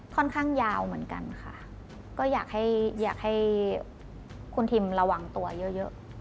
ค่อนข้างยาวเหมือนกันค่ะก็อยากให้คุณทิมระวังตัวเยอะ